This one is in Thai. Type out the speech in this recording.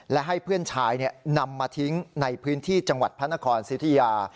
และให้เพื่อนชายนำมาทิ้งในพื้นที่จังหวัดพระนครสิทธิยา